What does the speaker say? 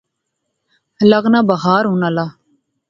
لغنا بخار ہون آلا